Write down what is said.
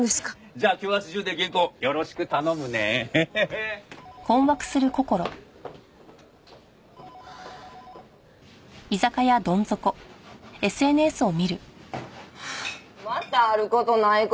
じゃあ今日明日中で原稿よろしく頼むね。はあまたある事ない事。